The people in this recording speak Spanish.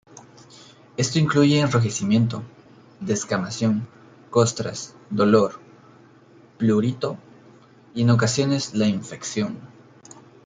Esto incluye enrojecimiento, descamación, costras, dolor, prurito, y en ocasiones la infección.